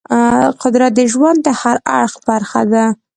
قدرت د ژوند د هر اړخ برخه ده.